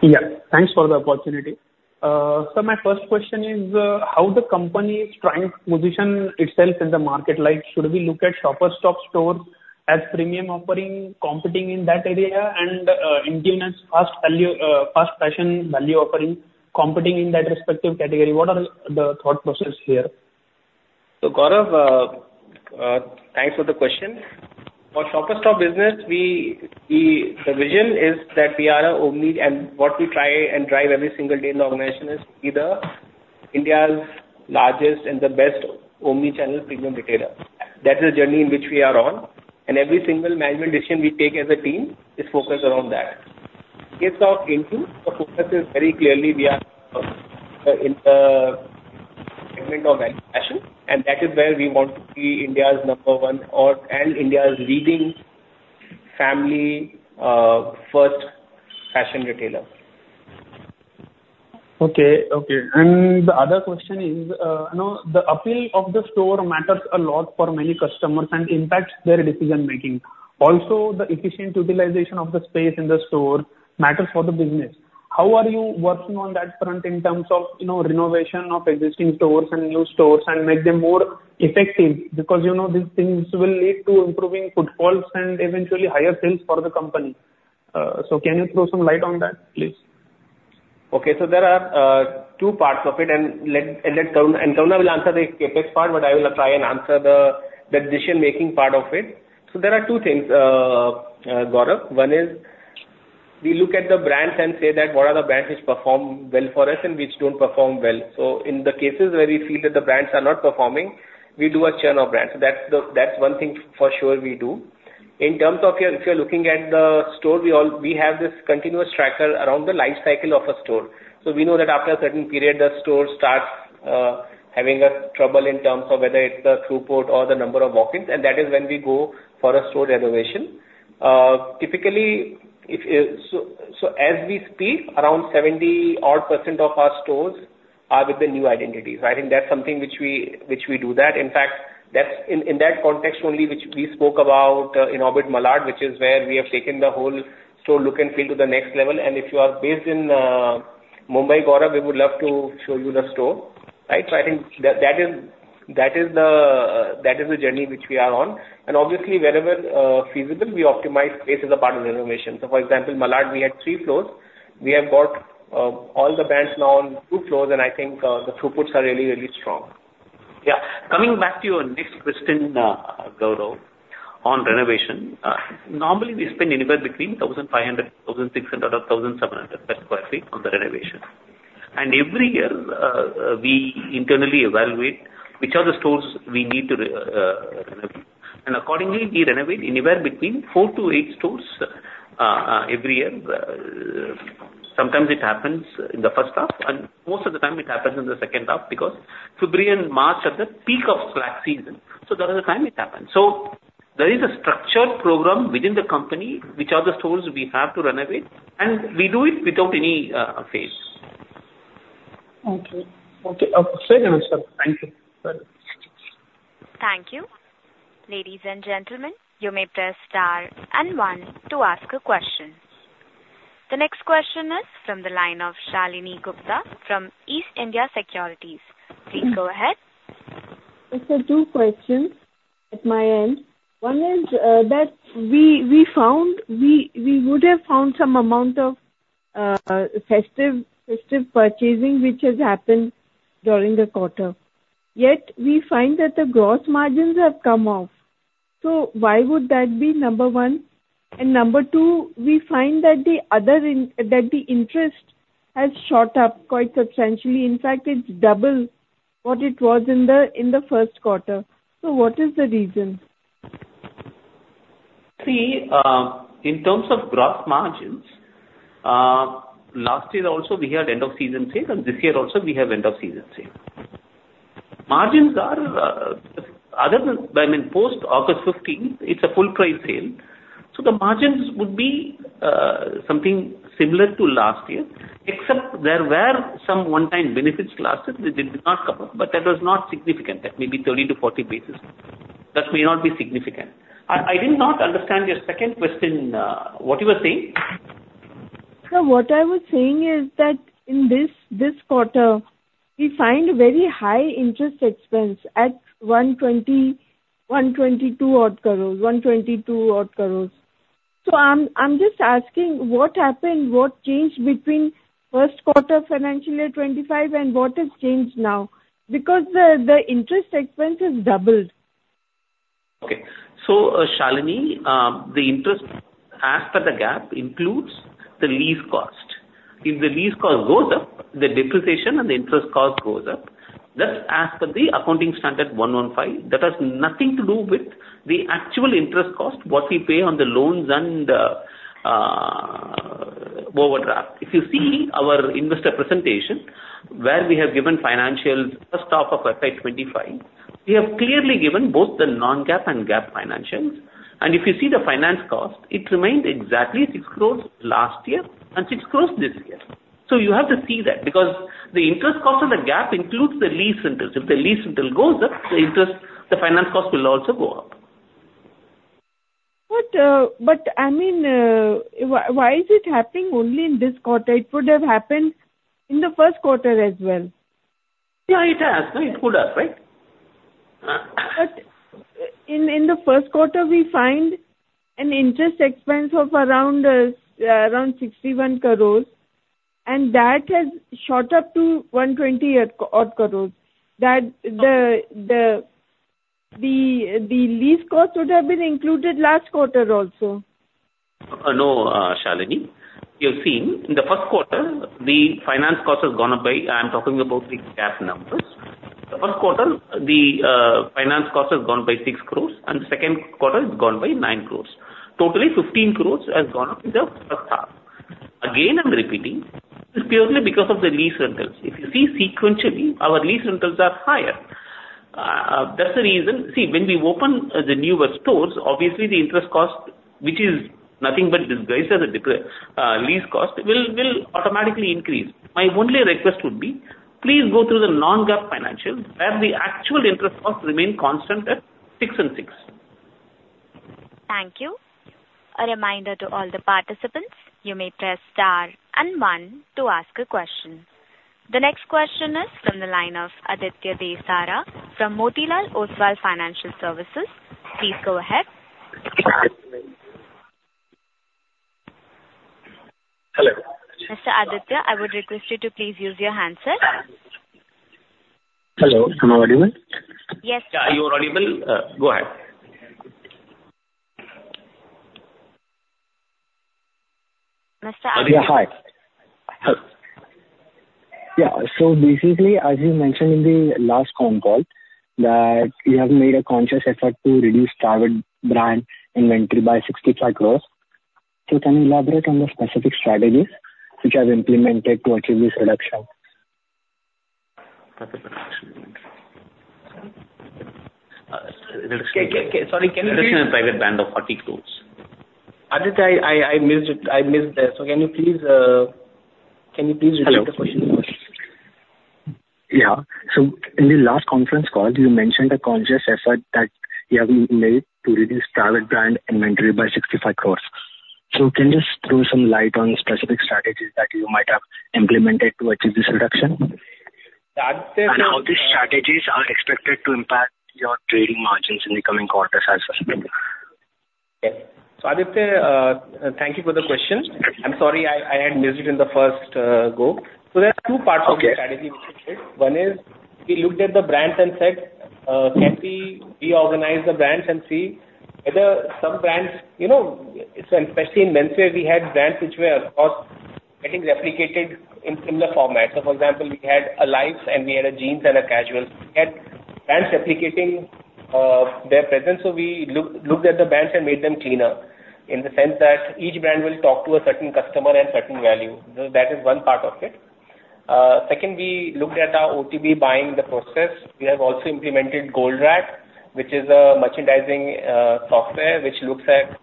Yeah, thanks for the opportunity. So my first question is, how the company is trying to position itself in the market. Like, should we look at Shoppers Stop store as premium offering, competing in that area, and, Intune as fast value, fast fashion value offering, competing in that respective category? What are the thought process here? Gaurav, thanks for the question. For Shoppers Stop business, we... The vision is that we are a omni, and what we try and drive every single day in the organization is be the India's largest and the best omni-channel premium retailer. That is the journey in which we are on, and every single management decision we take as a team is focused around that. In case of Intune, the focus is very clearly we are in the segment of value fashion, and that is where we want to be India's number one or and India's leading family first fashion retailer. Okay, okay. And the other question is, you know, the appeal of the store matters a lot for many customers and impacts their decision making. Also, the efficient utilization of the space in the store matters for the business. How are you working on that front in terms of, you know, renovation of existing stores and new stores and make them more effective? Because, you know, these things will lead to improving footfalls and eventually higher sales for the company. So can you throw some light on that, please? Okay. So there are two parts of it, and let Karuna will answer the CapEx part, but I will try and answer the decision-making part of it. So there are two things, Gaurav. One is we look at the brands and say that what are the brands which perform well for us and which don't perform well. So in the cases where we feel that the brands are not performing, we do a churn of brands. So that's one thing for sure we do. In terms of your, if you're looking at the store, we have this continuous tracker around the life cycle of a store. So we know that after a certain period, the store starts having a trouble in terms of whether it's the throughput or the number of walk-ins, and that is when we go for a store renovation. Typically, as we speak, around 70-odd% of our stores are with the new identities. I think that's something which we do that. In fact, that's in that context only, which we spoke about in Inorbit Malad, which is where we have taken the whole store look and feel to the next level. And if you are based in Mumbai, Gaurav, we would love to show you the store, right? So I think that is the journey which we are on. And obviously, wherever feasible, we optimize space as a part of renovation. So for example, Malad, we had three floors. We have got all the brands now on two floors, and I think the throughputs are really, really strong. Yeah. Coming back to your next question, Gaurav, on renovation. Normally, we spend anywhere between 1,500, 1,600, or 1,700 per sq ft on the renovation. And every year, we internally evaluate which are the stores we need to renovate, and accordingly, we renovate anywhere between 4-8 stores every year. Sometimes it happens in the first half, and most of the time it happens in the second half, because February and March are the peak of slack season, so that is the time it happens. So there is a structured program within the company, which are the stores we have to renovate, and we do it without any phase. Okay. Okay. Very nice, sir. Thank you. Bye. Thank you. Ladies and gentlemen, you may press star and one to ask a question. The next question is from the line of Shalini Gupta from East India Securities. Please go ahead. Sir, two questions at my end. One is that we found we would have found some amount of festive purchasing, which has happened during the quarter. Yet, we find that the gross margins have come off. So why would that be? Number one. And number two, we find that the other in- that the interest has shot up quite substantially. In fact, it's double what it was in the first quarter. So what is the reason? See, in terms of gross margins, last year also, we had end-of-season sale, and this year also, we have end-of-season sale. Margins are other than, I mean, post-August fifteenth, it's a full price sale, so the margins would be something similar to last year, except there were some one-time benefits last year that did not come up, but that was not significant. That may be 30 to 40 basis. That may not be significant. I, I did not understand your second question. What you were saying? No, what I was saying is that in this quarter we find very high interest expense at 122 odd crores. So I'm just asking, what happened? What changed between first quarter financial year 2025 and what has changed now? Because the interest expense has doubled. Okay. So, Shalini, the interest as per the GAAP includes the lease cost. If the lease cost goes up, the depreciation and the interest cost goes up. That's as per the accounting standard one one five. That has nothing to do with the actual interest cost, what we pay on the loans and overdraft. If you see our investor presentation where we have given financials as of FY twenty-five, we have clearly given both the non-GAAP and GAAP financials, and if you see the finance cost, it remained exactly 6 crores last year and 6 crores this year. So you have to see that, because the interest cost of the GAAP includes the lease interest. If the lease interest goes up, the interest, the finance cost will also go up. I mean, why is it happening only in this quarter? It would have happened in the first quarter as well. Yeah, it has. No, it could have, right? But in the first quarter, we find an interest expense of around 61 crores, and that has shot up to 120-odd crores. That the lease cost would have been included last quarter also. No, Shalini. You're seeing in the first quarter, the finance cost has gone up by... I'm talking about the GAAP numbers. The first quarter, the finance cost has gone by 6 crores, and the second quarter has gone by 9 crores. Totally, 15 crores has gone up in the first half. Again, I'm repeating, it's purely because of the lease rentals. If you see sequentially, our lease rentals are higher. That's the reason. See, when we open the newer stores, obviously the interest cost, which is nothing but disguised as a lease cost, will automatically increase. My only request would be, please go through the non-GAAP financials, where the actual interest costs remain constant at six and six. Thank you. A reminder to all the participants, you may press Star and One to ask a question. The next question is from the line of Aditya Desara from Motilal Oswal Financial Services. Please go ahead. Hello. Mr. Aditya, I would request you to please use your handset. Hello, am I audible? Yes. Yeah, you are audible. Go ahead. Mr. A- Aditya, hi. Hello. Yeah, so basically, as you mentioned in the last con call, that you have made a conscious effort to reduce private brand inventory by 65 crores, so can you elaborate on the specific strategies which are implemented to achieve this reduction? Sorry, can you- reduction in private brand of 40 crores. Aditya, I, I missed it. I missed that. So can you please, can you please repeat the question? Hello. Yeah. So in the last conference call, you mentioned a conscious effort that you have made to reduce private brand inventory by 65 crores. So can you just throw some light on specific strategies that you might have implemented to achieve this reduction? That- And how these strategies are expected to impact your trading margins in the coming quarters as well? Okay. So Aditya, thank you for the question. I'm sorry I had missed it in the first go. So there are two parts of the strategy which we did. Okay. One is we looked at the brands and said, can we reorganize the brands and see whether some brands. You know, so especially in menswear, we had brands which were, of course, getting replicated in the format. So for example, we had a lines, and we had a jeans and a casual. We had brands replicating their presence, so we looked at the brands and made them cleaner, in the sense that each brand will talk to a certain customer and certain value. So that is one part of it. Second, we looked at our OTB buying the process. We have also implemented Goldratt, which is a merchandising software, which looks at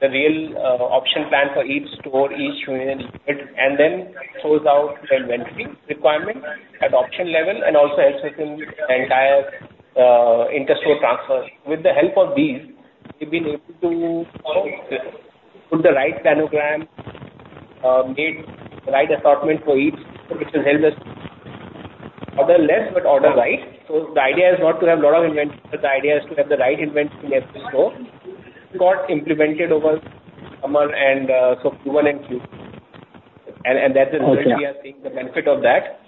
the real option plan for each store, each unit, and then throws out the inventory requirement at option level and also helps us in the entire interstore transfer. With the help of these, we've been able to put the right planogram, get the right assortment for each, which will help us order less but order right. So the idea is not to have a lot of inventory, but the idea is to have the right inventory in every store. Got implemented over Amar and, so Q1 and Q... And that is- Oh, yeah. We are seeing the benefit of that.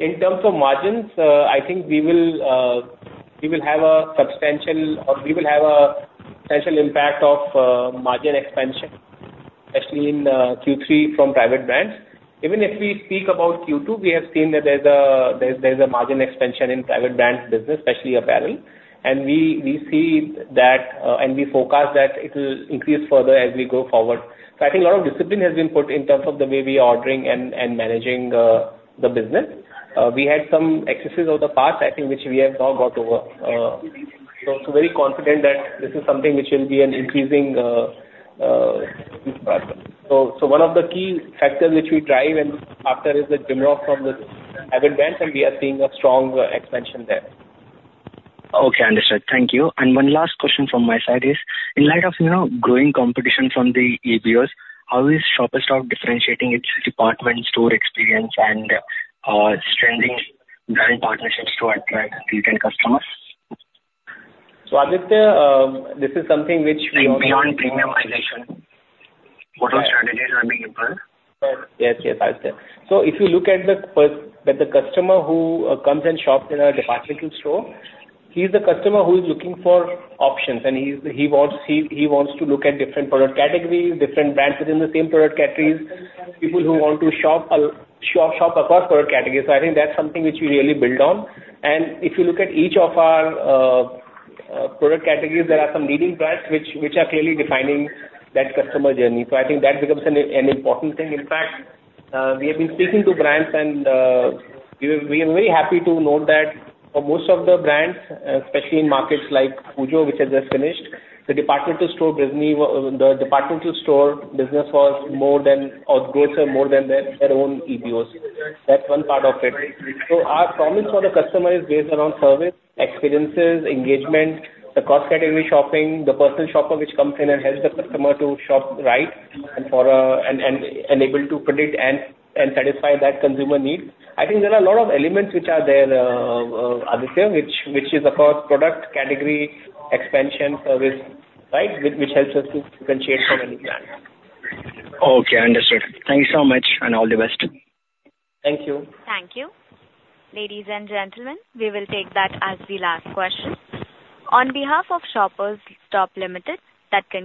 In terms of margins, I think we will have a substantial impact of margin expansion, especially in Q3 from private brands. Even if we speak about Q2, we have seen that there's a margin expansion in private brands business, especially apparel, and we see that, and we forecast that it'll increase further as we go forward, so I think a lot of discipline has been put in terms of the way we are ordering and managing the business. We had some excesses of the past, I think, which we have now got over, so also very confident that this is something which will be an increasing in progress. One of the key factors which we drive and after is the demand from the private brands, and we are seeing a strong expansion there. Okay, understood. Thank you. And one last question from my side is, in light of, you know, growing competition from the EBOs, how is Shoppers Stop differentiating its department store experience and strengthening brand partnerships to attract retail customers? So Aditya, this is something which we also- Like beyond premiumization, what strategies are being implemented? Yes, yes, Aditya. So if you look at the customer who comes and shops in our departmental store, he's the customer who is looking for options, and he wants to look at different product categories, different brands within the same product categories, people who want to shop across product categories. So I think that's something which we really build on. And if you look at each of our product categories, there are some leading brands which are clearly defining that customer journey. So I think that becomes an important thing. In fact, we have been speaking to brands, and we are very happy to note that for most of the brands, especially in markets like Pujo, which has just finished, the departmental store business was more than, or growth are more than their own EBOs. That's one part of it. So our promise for the customer is based around service, experiences, engagement, the cross-category shopping, the personal shopper, which comes in and helps the customer to shop right, and for... and able to predict and satisfy that consumer need. I think there are a lot of elements which are there, Aditya, which is, of course, product category, expansion, service, right? Which helps us to differentiate from any brand. Okay, understood. Thank you so much, and all the best. Thank you. Thank you. Ladies and gentlemen, we will take that as the last question. On behalf of Shoppers Stop Limited, that concludes-